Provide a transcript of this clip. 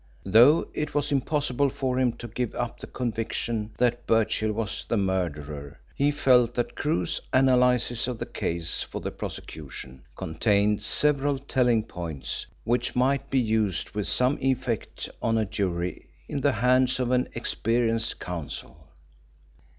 Though it was impossible for him to give up the conviction that Birchill was the murderer, he felt that Crewe's analysis of the case for the prosecution contained several telling points which might be used with some effect on a jury in the hands of an experienced counsel.